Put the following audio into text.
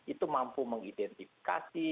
itu mampu mengidentifikasi